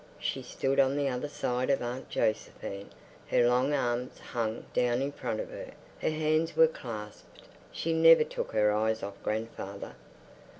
She stood on the other side of Aunt Josephine; her long arms hung down in front of her; her hands were clasped. She never took her eyes off grandfather.